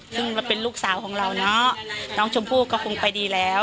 ซึ่งเราเป็นลูกสาวของเราเนาะน้องชมพู่ก็คงไปดีแล้ว